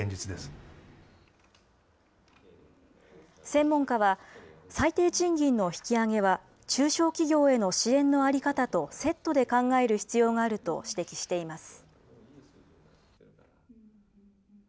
専門家は、最低賃金の引き上げは、中小企業への支援の在り方とセットで考える必要があると指摘しています。